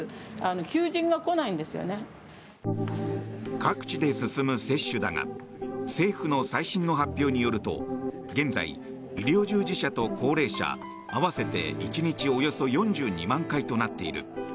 各地で進む接種だが政府の最新の発表によると現在、医療従事者と高齢者合わせて１日およそ４２万回となっている。